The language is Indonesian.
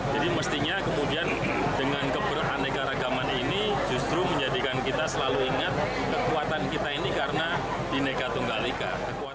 jadi mestinya kemudian dengan keberaneka ragaman ini justru menjadikan kita selalu ingat kekuatan kita ini karena dineka tunggal ika